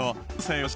よし！